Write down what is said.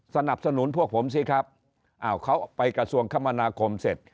สนับสนุนพวกผมสิครับอ้าวเขาไปกระทรวงคมนาคมเสร็จ